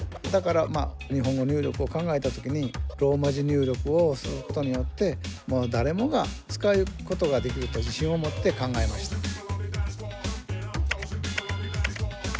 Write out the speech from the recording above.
だから日本語入力を考えた時にローマ字入力をすることによってもう誰もが使うことができると自信を持って考えました。